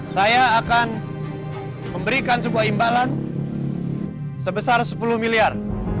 saya akan memberikan sebuah imbalan sebesar sepuluh miliar